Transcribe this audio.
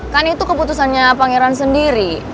kan itu keputusannya pangeran sendiri